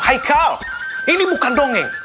haikal ini bukan dongeng